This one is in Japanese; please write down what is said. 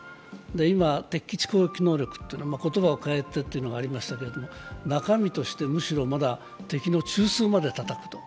今、敵基地攻撃能力というのを言葉を変えてというのがありましたけれども、中身としてむしろ敵の中枢までたたくと。